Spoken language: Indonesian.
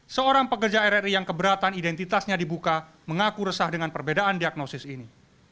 seorang pekerja rri yang keberatan identitasnya dibuka mengaku resah dengan perbedaan diagnosis ini